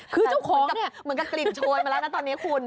คือเจ้าของเหมือนกับกลิ่นโชยมาแล้วนะตอนนี้คุณ